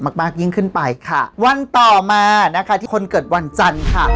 มากมากยิ่งขึ้นไปค่ะวันต่อมานะคะที่คนเกิดวันจันทร์ค่ะ